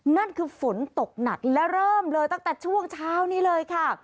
นั่นคือฝนตกหนักและเริ่มเลยตั้งแต่ช่วงเช้านี้เลยค่ะ